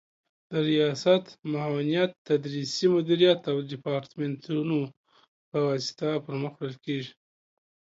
د ریاست، معاونیت، تدریسي مدیریت او دیپارتمنتونو په واسطه پر مخ وړل کیږي